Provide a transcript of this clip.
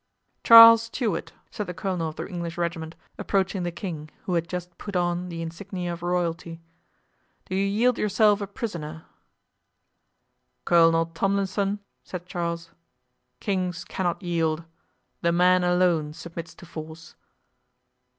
"Charles Stuart," said the colonel of the English regiment, approaching the king, who had just put on the insignia of royalty, "do you yield yourself a prisoner?" "Colonel Tomlison," said Charles, "kings cannot yield; the man alone submits to force."